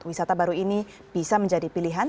wisata baru ini bisa menjadi pilihan